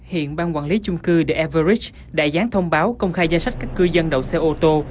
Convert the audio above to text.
hiện bang quản lý chung cư the average đã gián thông báo công khai gia sách các cư dân đậu xe ô tô